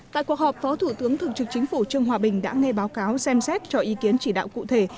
tại cuộc họp phó thủ tướng thường trực chính phủ trương hòa bình đã nghe báo cáo xem xét cho ý kiến chỉ đạo cụ thể